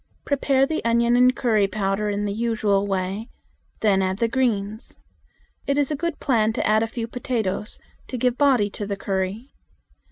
Prepare the onion and curry powder in the usual way; then add the greens. It is a good plan to add a few potatoes to give body to the curry.